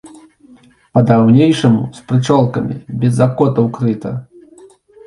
Па-даўнейшаму з прычолкамі, без закотаў крыта.